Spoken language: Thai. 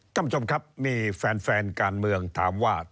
กล้ามชมครับมีแฟนการเมืองถามว่า